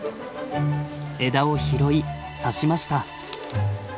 枝を拾い挿しました。